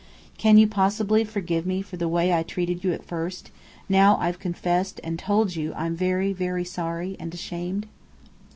Can you possibly forgive me for the way I treated you at first, now I've confessed and told you I'm very, very sorry and ashamed?"